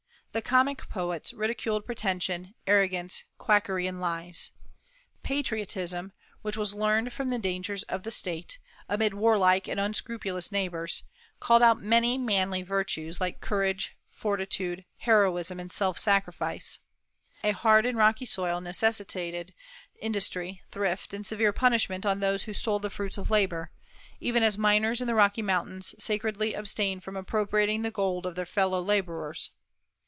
The comic poets ridiculed pretension, arrogance, quackery, and lies. Patriotism, which was learned from the dangers of the State, amid warlike and unscrupulous neighbors, called out many manly virtues, like courage, fortitude, heroism, and self sacrifice. A hard and rocky soil necessitated industry, thrift, and severe punishment on those who stole the fruits of labor, even as miners in the Rocky Mountains sacredly abstain from appropriating the gold of their fellow laborers.